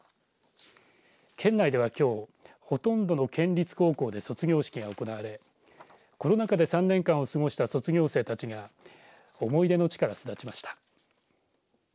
県内ではきょうほとんどの県立高校で卒業式が行われコロナ禍で３年間を過ごした卒業生たちが思い出の地から巣立ちました。